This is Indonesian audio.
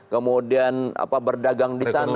kemudian berdagang di sana